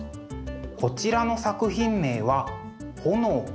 こちらの作品名は「焔」。